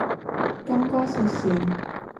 金瓜石線